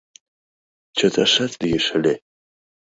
Чыташат лиеш ыле.